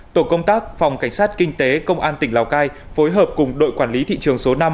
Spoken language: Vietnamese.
tổ công tác phòng cảnh sát kinh tế công an tỉnh lào cai phối hợp cùng đội quản lý thị trường số năm